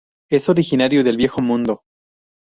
Es originario del Viejo Mundo.